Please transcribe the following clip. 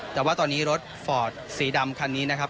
แต่ว่าตอนนี้รถฟอร์ดสีดำคันนี้นะครับ